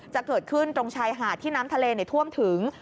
จะเกิดขึ้นตรงชายหาดที่น้ำทะเลท่วมถึง